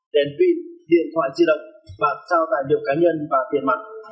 đèn pin điện thoại di động và sao tài liệu cá nhân và tiền mặt